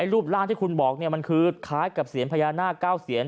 รูปร่างที่คุณบอกมันคือคล้ายกับเสียญพญานาค๙เสียน